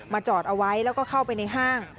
จอดเอาไว้แล้วก็เข้าไปในห้าง